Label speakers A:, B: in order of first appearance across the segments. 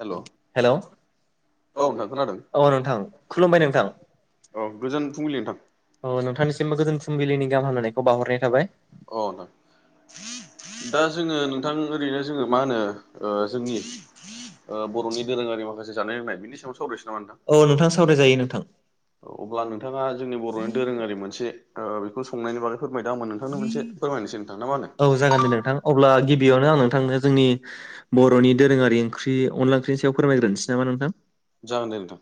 A: हेल'
B: hello
A: hello
B: औ
A: औ नोंथां खोनादों
B: नोंथां खुलुमबाय नोंथां
A: औ गोजोन फुंबिलि नोंथां
B: औ नोंथांनिसिमबो गोजोन फुंबिलिनि गाहाम हामलायनायखौ बाउहरनाय थाबाय।
A: औ नोंथां दा जोङो नो नोंथां ओरैनो जोङो मा होनो जोंनि ओ बर'नि दोरोङारि माखासे जानाय लोंनाय बिनि सायावाव सावरायसो नामा नोंथां?
B: औ सावरायजायो नोंथां।
A: अब्ला नोंथाङा जोंनि बर'नि दोरोङारि मोनसे बेखौ संनायनि बागै फोरमायदो आंबो नोंथां नोंथांनो मोनसे फोरमायनोसै ना मा होनो
B: औ जागोन दे नोंथां अब्ला गिबियावनो आं नोंथांजों जोंनि बर'नि दोरोङारि ओंख्रि अनला ओंख्रिनि सायाव फोरमायग्रोनोसै नामा नोंथां
A: जागोन दे नोंथां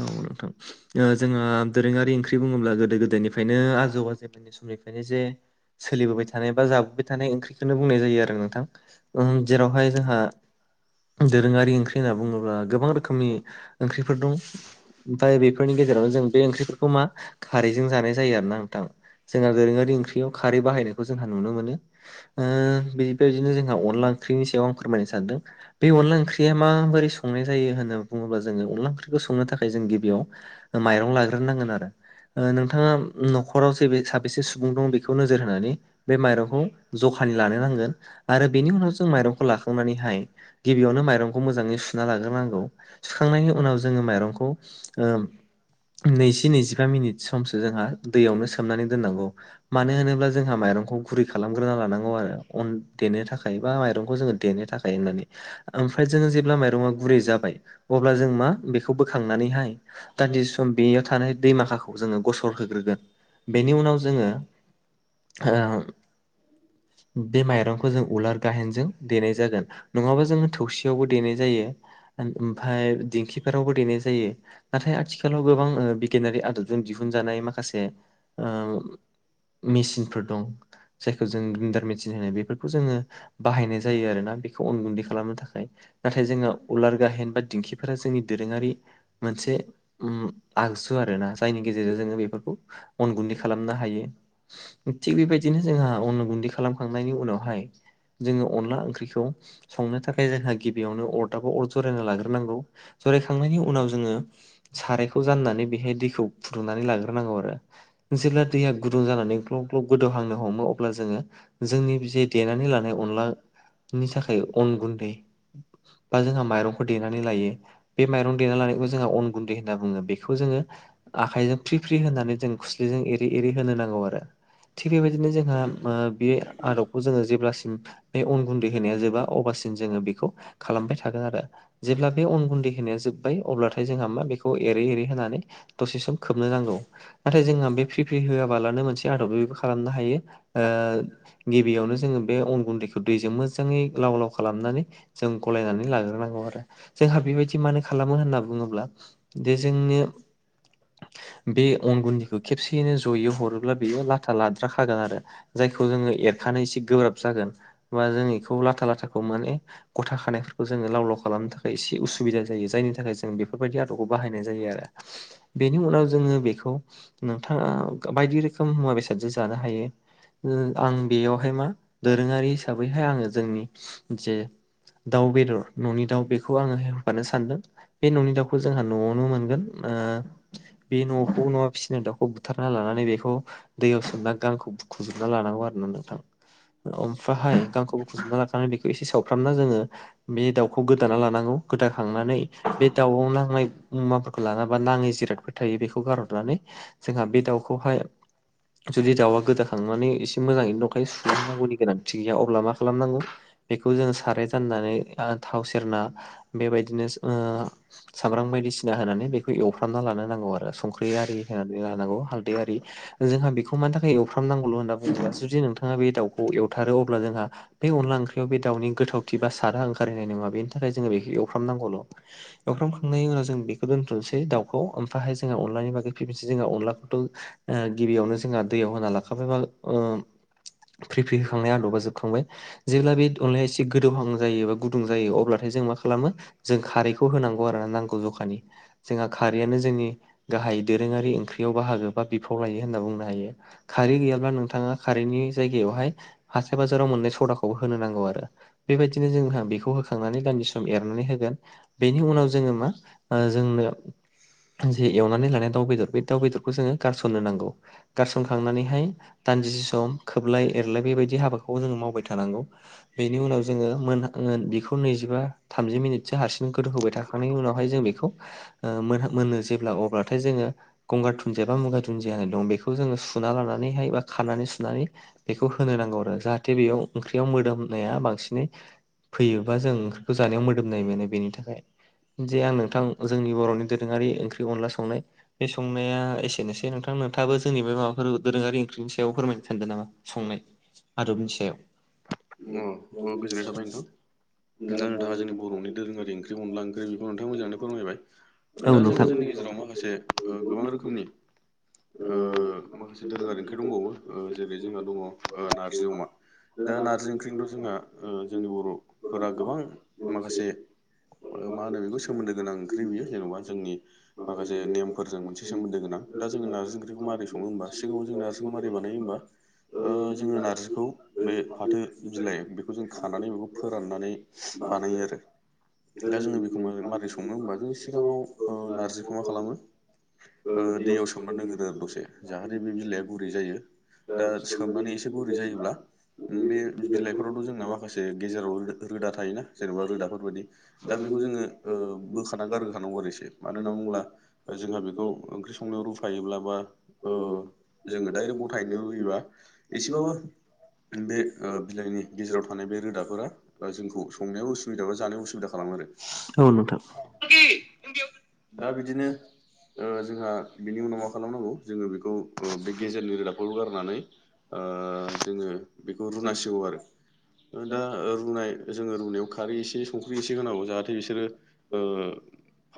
B: औ नोंथां ओ जों दोरोङारि ओंख्रि बुङोब्ला- गोदो-गोदायनिफ्रायनो आजौ-आजैानि समनिफ्रायनो जे सोलिबोबाय थानाय बा जाबोबाय थानाय ओंख्रि बेखौनो बुंनाय जायो आरो नोंथां जेरावहाय जोंहा रोङारि ओंख्रि होनना बुङोब्ला गोबां रोखोमनि ओंख्रिफोर दं। ओमफ्राय बेफोरनि गेजेरावनो जों बे ओंख्रिफोरखौ मा खारैजों जानाय जायो आरो ना नोंथां। जोंहा दोरोङारि ओंख्रियाव खारै बाहायनायखौ जोंहा नुनो मोनो। बेबायदिनो जोंहा अनला ओंख्रिनि सायाव आं फोरमायनो सानदों बे अनला ओंख्रि- बे माबोरै संनाय जायो होनना बुंङोब्ला जोंङो अनला ओंख्रिखौ संनो थाखाय जों गिबियाव ओ माइरं लाग्रोनांगोन आरो- नोंथाङा न'खराव जेबो साबेसे सुबुं दं बेखौ नोजोर होनानै बे माइरंखौ ज'खानि लानो नांगोन आरो बेनि उनाव जों माइरंखौ लाखांनानैहाय गिबियावनो माइरं खौ मोजाङै सुना लाग्रोनांगौ सुखांनायनि उनाव जोङो माइरंखौ ओ- नैजि नैजिबा मिनिट समसो जोंहा दैयावनो सोमनानै दोननांगौ मानो होनोब्ला जोंहा माइरंखौ गुरै खालामग्रोना लानांगौ आरो अन देनो थाखाय बा माइरंखौ जोंङो देनो थाखाय होननानै आ ओमफ्राय जोङ जेब्ला माइरङा गुरै जाबाय अब्ला जों मा बेखौ बोखांनानैहाय दान्दि सम बेयाव थानाय दैमाखाखौ जोंङो गसर होग्रोगोन बेनि उनाव जोङो बे माइरंखौ जों उलार गाहेनजों देनाय जागोन नङाबा जोङो थौसि यावबो देनाय जायो ओमफ्राय दिंखिफोरावबो देनाय जायो। नाथाय आथिखालाव गोबां बिगियानारि आदबजों दिहुनजानाय माखासे ओ मेसिनफोर दं जायखौ जों ग्रिन्दार मेचिन होनो बेफोरखौ जोङो बाहायनाय जायो आरोना बेखौ अन गुन्दै खालामनो थाखाय। नाथाय जोङो उलार गाहेन बा दिंखिफोरा जोंनि दोरोङारि मोनसे उम आगजु आरोना जायनि गेजेरजों जोङो बेफोरखौ अन गुन्दै खालामनो हायो थिग बेबायदिनो जोंहा अन गुन्दै खालाम खांनायनि उनावहाय जोङो अनला ओंख्रिखौ संनो थाखाय जों ग बेयावनो अर दाबो अर जरायना लाग्रोनांगौ जरायखांनायनि उनाव जोङो सारायखौ जाननानै बेहाय दैखौ फुदुंनानै लाग्रोनांगौ आरो जेब्ला दैया गुदुं जानानै ग्लब ग्लब गोदौहांनो हमो अब्ला जोङो जोंनि जे देनानै लानाय अनलानि थाखाय अन गुन्दै बा जोंहा माइरंखौ देनानै लायो। बे माइरं देना लानायखौ जोंहा अन गुन्दै होनना बुङो। बेखौ जोङो आखाइजों फ्रि फ्रि होनानै जों खुस्लिजों एरै एरै होनो नांगौ आरो। थिग बे बायदिनो जोंहा बे आदब जोङो जेब्लासिम बे अन गुन्दै होनाया जोबा अब्लासिम जोङो बेखौ खालामबाय थागोन आरो। जेब्ला बे अन गुन्दै होनाया जोब्बाय अब्लाथाय जोंहा मा बेखौ एरै एरै होनानै दसे सम खोबनो नांगौ नाथाय जोंहा बे प्रि प्रि होआबालानो मोनसे आदब बेबो खालामनो हायो गिबियावनो जोङो बे अन गुन्दैखौ दैजों मोजाङै लाव लाव खालामनानै जों गलायनानै लाग्रोनांगौ आरो जोंहा। बेबायदि मानो खालामो होनना बुङोब्ला दे जोंनो बे अन गुन्दैखौ खेबसेयैनो जयै हरोब्ला बेयो लाथा लाद्राखागोन आरो। जायखौ जोंङो एरखानो एसे गोब्राब जागोन, बा जों बेखौ लाथा लाथा माने गथा खानायफोरखौ जोङो लाव लाव खालामनो थाखाय एसे उसुबिदा जायो। जायनि थाखाय जों बे बेफोरबायदि आदबखौ बाहायनाय जायो आरो। बेनि उनाव जोङो बेखौ नोंथाङा बायदि रोखोम मुवा बेसादजों जानो हायो। आं बेयावहाय मा दोरोङारि हिसाबैहाय आङो जोंनि जे दाउ बेदर न'नि दाउ बेखौ आङो होफानो सानदों बे न'नि दाउखौ जोंहा न'आवनो मोनगोन। बे न'खौ न'आव फिसिनो दाउखौ बुथारना लानानै बेखौ दैयाव सोमना गानखौ बुखुजोबना लानांगौ आरो ना नोंथां। ओमफ्रायाहाय गांखौ बुखुजुमना लाखानानै बेखौ एसे सावफ्रामना जोंङो बे दाउखौ गोदाना लानांगौ गोदाखांनानै बे दाउआव नांनाय मुमाफोरखौ लानाबा नाङै जिरादफोर बेखौ गारहरनानै जोंहा बे दाउखौहाय जुदि दाउआ गोदा होखांनानै एसे मोजैनो दंखायो सुलायनांगौनि गोनांथि गैया अब्ला मा खालामनांगौ बेखौ जों साराय जाननानै थाव सेरना, बे बायदिनो सामब्राम बायदिसिना होनानै बेखौ एवफ्रामना लानो नांगौ आरो संख्रि आरि होनानै लानांगौ हालदै आरि जोंहा बेखौ मानि थाखाय एवफ्रामनांगौल' होनना बुंङोबा जुदि नोंथांआ बे दाउखौ एवथारो अब्ला जोंहा बे अनला ओंख्रियाव बे दाउनि गोथावथि बा सादा ओंखारहैनाय नङा बेनि थाखाय जोङो बेखौ एवफ्रामनांगौल'। एवफ्रामखांनायनि उनाव जों बेखौ दोनथ'नोसै दाउखौ ओमफ्राहाय जोंहा अनलानि बागै फैफिनसै जोंहा अनलाखौथ' गिबियावनो जोंहा दैयाव होना लाखाबायबा फ्रि फ्रि होखांनाया आदबा जोबखांबाय। जेब्ला बे अनलाया एसे गोदौहां जायो बा गुदुं जायो अब्लाथाय जों मा खालामो जों खारैखौ होनांगौ आरोना नांगौ जखानि। जोंहा खारैयानो जोंनि गाहाइ दोरोङारि ओंख्रियाव बाहागो बा बिफाव लायो होनना बुंनो हायो। खारै गैयाब्ला नोंथाङा खारैनि जायगायावहाय हाथाय बाजाराव मोनननाय सदाखौबो होनो नांगौ आरो। बे बायदिनो जोंहा बेखौ होखांनानै दान्दिसे सम एरनानै होगोन। बेनि उनाव जोङो मा आरो जोंनो जे एवनानै लानाय दाउ बेदर बे दाउ बेदरखौ जोङो गारसननो नांगौ। गारसनखांनानैहाय दानजिसे सम खोबलाय एरलाय बे बायदि हाबाखौ जोङो मावबाय थानांगौ। बेनि उनाव जोङो मोन बेखौ नैजिबा थामजि मिनिटसो हारसिं गोदौ होबाय थाखांनायनि उनावहाय जों बेखौ मोनो जेब्ला अब्लाथाय जोङो गंगार दुनदिया बा मुगा दुनदिया दं बेखौ जो सुना लानानैहाय बा खानानै सुनानै बेखौ होनो नांगौ आरो जाहाथे बेयाव ओंख्रियाव मोदोमनाया बांसिनै फैयोबा जों ओंख्रिखौ जानायाव मोदोमनाय मोनो बेनि थाखाय। जे आं नोंथां जोंनि बर'नि दोरोंङारि ओंख्रि अनला संनाय बे संनाया एसेनोसै नोंथां। नोंथाङाबो जोंनि बे माबाफोर दोरोङारि ओंख्रिनि सायाव फोरमायनो सानदों नामा? संनाय आरो बिनि सायाव।
A: अ अ गोजोननाय थाबाय नोंथां। दा नोंथाङा जोंनि बर'नि दोरोङारि ओंख्रि अनला ओंख्रि बेखौ नोंथाङा मोजाङैनो फोरमायबाय।
B: औ
A: दा जोंहा
B: नोंथां
A: जोंनि गेजेराव माखासे गोबां रोखोमनि ओ मोनसे दोरोङारि ओंख्रि दंबावो ओ जेरै जोंहा दंङ नारजि अमा। दा नारजि ओंख्रिल' जोंहा जोंनि बर'फोरा गोबां माखासे मा होनो बेखौ सोमोन्दो गोनां ओंख्रि बियो जेन'बा जोंनि माखासे नेमफोरजों मोनसे सोमोन्दो गोनां दा जों नारजि ओंख्रिखौ मारै सं संङो होमबा सिगाङाव जों नारजिखौ मारै बानायो होमबा ओ जोंङो नारजिखौ बे फाथो बिलाइ बेखौ जों खानानै बेखौ फोराननानै बानायो आरो। दा जोंङो बेखौ माबोरै संनो हबा जों सिगाङाव ओ नारजिखौ मा खालामो
B: ओ
A: दैयाव सोमनानै दोनगोन आरो दसे जाहाथे बे बिलाइआ गुरै जायो। दा सोमनानै एसे गुरै जायोब्ला बे बिलाइफोरावथ' जोंना माखासे गेजेराव रोदा थायोना जेन'बा रोदाफोरबायदि दा बेखौ जोङो ओ बोखाना गारहोखानांगौ आरोसे मानो होनना बुङोब्ला जोंहा बेखौ ओंख्रि संनो रुफायोब्ला बा ओ जोङो डाइरेक्ट गथायैनो रुयोबा एसेबाबो बे ओ बिलाइनि गेजेराव थानाय बे रोदाफोरा बा जोंखौ संनायावो उसुबिदा बा जानाय उसुबिदा खालामो आरो।
B: औ नोंथां औ
A: दा बिदिनो ओ जोंहा बिनि उनाव मा खालामनांगौ जोङो बेखौ बे गेजेरनि रोदाबखौ गारनानै ओ जोङो बेखौ रुनांसिगौ आरो। दा रुनाय जोंङो रुनायाव खारै एसे संख्रि एसे होनांगौ जाहाथे बिसोरो ओ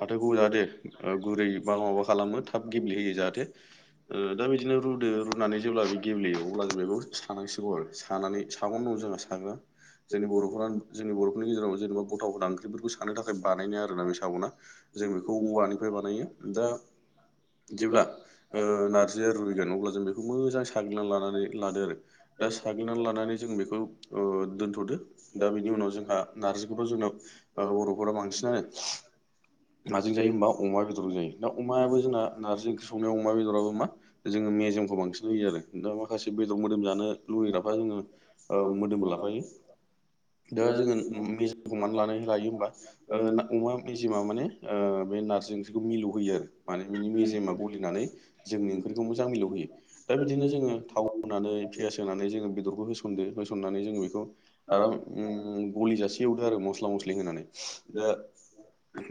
A: फाथोखौ जाहाथे ओ गुरै बा माबा खालामो थाब गेब्लेहोयो जाहाथे। ओ दा बिदिनो रुदो रुनानै जेब्ला बे गेब्लेयो अब्ला जों बेखौ सानांसिगौ आरो सानानै सागं दं जोंहा साग्रा। जोंनि बर'फोर जोंनि बर'फोरनि गेजेराव जेनेबा गथा गथा ओंख्रिफोरखौ साननो थाखाय बानायनाया आरो ना बे सागङा। जों बेखौ औवानिफ्राय बानायो दा जेब्ला ओ नारजिया रुइगोन अब्ला जों बेखौ मोजां साग्लिना लानानै लादो आरो दा साग्लिनानै लानानै जों बेखौ ओ दोन्थ'दो दा बेनि उनाव जोंहा नार्जिखौबो जोंनाव ओ बर'फोरा बांसिनानो माजों जायो होमबा अमा बेदरजों जायो दा अमायाबो जोंना नारजि ओंख्रि संनायाव अमा बेदराबो मा जोङो मेजेमखौ बांसिन होयो आरो दा माखासे बेदर मोदोम जानो लुगैग्राफ्रा जोङो ओ मोदोमबो लाफायो। दा जोङो मेजेमखौ मानो लानाय लायो होमबा ओ ना अमा मेजेमा माने ओ बे नार्जि ओंख्रिखौ मिलौ होयो आरो माने बिनि मेजेमा गलिनानै जोंनि ओंख्रिखौ मोजां मिलौहोयो दा बिदिनो जोङो थाव होनानै फियास फ्राय जोङो बेदरखौ होसनदो होसननानै जोङो बेखौ आरो उम गलि जासे एवदो आरो मस्ला मस्लि होनानै दा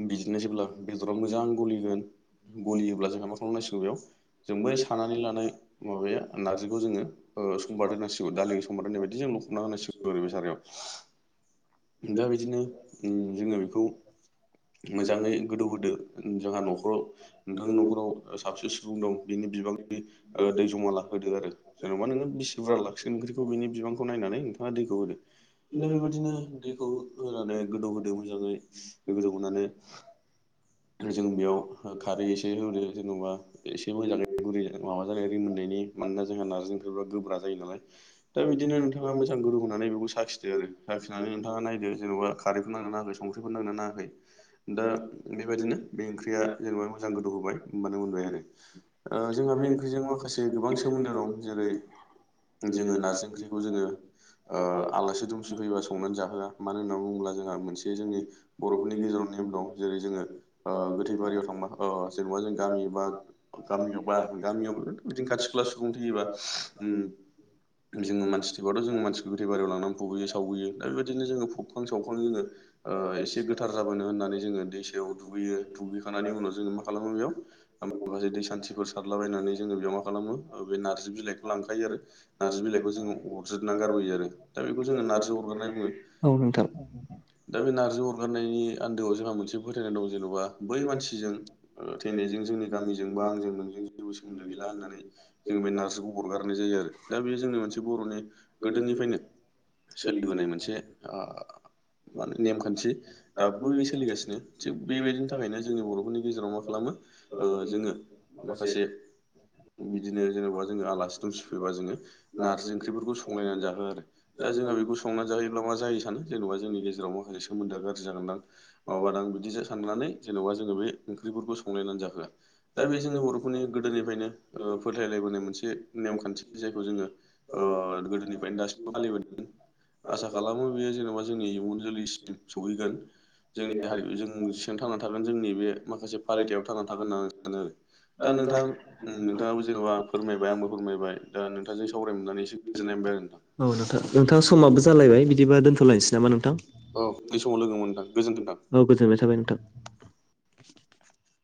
A: बिदिनो जेब्ला बेदरा मोजां गलिगोन गलियोब्ला जोंहा मा खालामनांसिगौ बेयाव जों बै सानानै लानाय माबाया नारजिखौ जोङो ओ संबार होनांसिगौ दालिखौ सम्बार होनाय बायदि जों लखबना होनांसिगौ आरो बे सारायाव। दा बिदिनो उम जोङो बेखौ मोजाङै गोदौहोदो जोंहा न'खराव नोंथांनि न'खराव साबैसे सुबुं दं बिनि बिबांनि ओ दै जमा लाफैदो आरो जेन'बा नोङो बिसि जुब्रा लाखिगोन ओंख्रिखौ बिनि बिबांखौ नायनानै नोंथांआ दैखौ होदो। बेबायदिनो दैखौ होनानै गोदौ होदो मोजाङै। गोदौहोनानै जों बेयाव खारै एसे होदो जेन'बा एसे मोजाङै गुरै माबा जानाय रिमोननायनि। मानोना जोंहा नारजि ओंख्रिफ्रा गोब्रा जायो नालाय दा बिदिनो नोंथाङा मोजां गोरों होननानै बेखौ साखिदो आरो साखिनानै नोंथाङा नायदो जेन'बा खारैफोर नांदोंना नाङाखै संख्रिफोर नांदोंना नाङाखै दा बेबायदिनो बे ओंख्रिया जेनेबा मोजां गोदौ होबाय होनबानो मोनबाय आरो ओ जोंहा बे ओंख्रिजों माखासे गोबां सोमोन्दो दं जेरै- जोङो नारजि ओंख्रिखौ जोङो ओ आलासि दुमसि फैयोबा संनानै जाहोआ मानो होननानै बुङोब्ला जोंहा मोनसे जोंनि बर'फोरनि गेजेराव नेम दं। जेरै जोङो ओ गोथै बारियाव थांबा ओ जेनेबा जों गामि बा गामियावबा गामियाव बिदिनो खाथि खाला सुबुं थैयोबा उम जोङो मानसि थैबाथ' जों मानसिखौ गोथै बारियाव लांनानै फुुबैयो सावबोयो दा बेबायदिनो जोङो फबखां सावखां जोङो ओ एसे गोथार जाबोनो होननानै जोङो दैसायाव दुगैयो दुगैखांनायनि उनाव जोङो मा खालामो बेयाव माखासे दै सान्थिफोर सारलाबायनानै जोङो बेयाव मा खालामो बे नारजि बिलाइखौ लांखायो आरो नारजि बिलाइखौ जोङो अरजोबनानै गारबोयो आरो दा बेखौ जोङो नार्जि अरगारनानै बुङो
B: नोंथां औ
A: दा बे नार्जि अरगारनायनि आन्दोआव जोंहा मोनसे फोथायनाय दं जेन'बा बै मानसिजों थैनायजों जोंनि गामिजों बा आंजों नोंजों जेबो सोमोन्दो गैला होननानै जों बे नार्जिखौ अरगारनाय जायो आरो दा बे जोंनि मोनसे बर'नि गोदोनिफ्रायनो सोलिबोनाय मोनसे ओ माने नेमखान्थि दाबो बे सोलिगासिनो थिग बेबायदिनि थाखायनो जोंनि बर'फोरनि गेजेराव मा खालामो ओ जोङो माखासे बिदिनो जेनेबा जोङो आलासि दुमसि फैबा जोङो नारजि ओंख्रिफोरखौ संलायनानै जाहो आरो दा जोंहा बेखौ संनानै जाहयोब्ला मा जायो सानो जेनेबा जोंनि गेजेराव माखासे सोमोन्दोआ गाज्रि जागोनदां माबा दां बिदि जि साननानै जेन'बा जोङो बे ओंख्रिफोरखौ संलायनानै जाहोआ दा बे जोंनि बर'फोरनि गोदोनिफ्रायनो ओ फोथायलायबोनाय मोनसे नेमखान्थि जे खौ ओ जोङो गोदोनिफ्रायनो दासिमबो फालिबोदों आसा खालामो बेयो जेनेबा जोंनि इयुन जोलैसिम सौहैगोन जोंनि हारि जों सिगां थांना थागोन जोंनि बे माखासे फालिथायाव थांना थागोन होननानै सानो आरो दा नोंथां नोंथाङाबो जेन'बा फोरमायबाय आंबो फोरमायबाय ओ नोंथांजों सावराय मोननानै एसे गोजोननाय मोनबाय
B: नोंथां नोंथां
A: आरो
B: समाबो
A: नोंथां
B: जालायबाय बिदिबा दोनथ'लायनोसै नामा नोंथां
A: औ बै समाव लोगो मोनदां गोजोनथों नोंथां
B: औ गोजोननाय थाबाय नोंथां